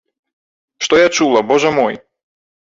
Што я чула, божа мой!